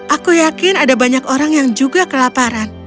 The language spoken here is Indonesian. aku yakin ada banyak orang yang juga kelaparan